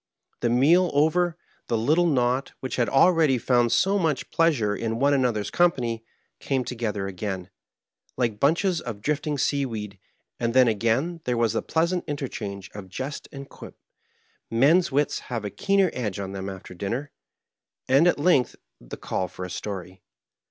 The meal over, the little knot, which had already found so much pleasure in one another's company, came together again, like bunches of drifting seaweed, and then again there was the pleasant interchange of jest and quip men's wits have a keener edge on them after dinner — ^and at length the call for a story.